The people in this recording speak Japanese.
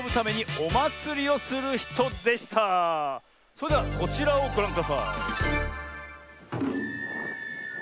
それではこちらをごらんください。